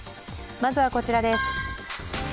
まずはこちらです。